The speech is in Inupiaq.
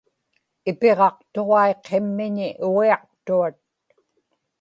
ipiġaqtuġai qimmiñi ugiaqtuat